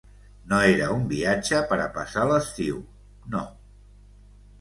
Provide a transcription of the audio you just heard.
No era un viatge per a passar l'estiu, no.